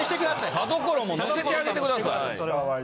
田所も乗せてあげてください。